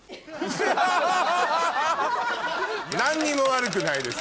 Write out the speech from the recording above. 何にも悪くないです